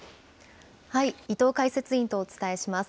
伊藤解説委員とお伝えします。